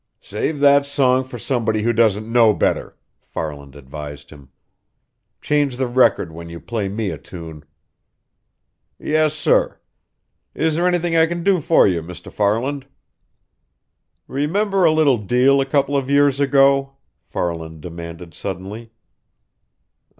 "Save that song for somebody who doesn't know better!" Farland advised him. "Change the record when you play me a tune." "Yes, sir. Is there anything I can do for you, Mr. Farland?" "Remember a little deal a couple of years ago?" Farland demanded suddenly.